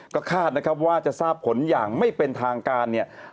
ก็คาดนะครับว่าจะทราบผลอย่างไม่เป็นทางการเนี่ย